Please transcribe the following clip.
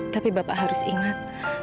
tapi bapak harus ingat